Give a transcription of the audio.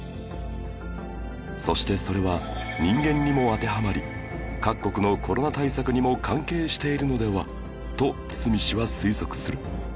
そしてそれは人間にも当てはまり各国のコロナ対策にも関係しているのではと堤氏は推測する